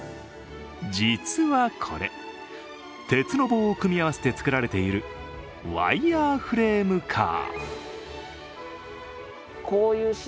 実はこれ、鉄の棒を組み合わせて作られているワイヤーフレームカー。